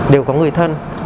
đều có người thân